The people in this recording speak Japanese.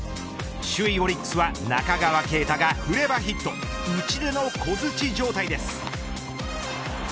首位オリックスは中川圭太が振ればヒット打ち出の小づち状態です。